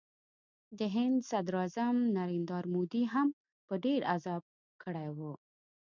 د هند صدراعظم نریندرا مودي هم ډېر په عذاب کړی و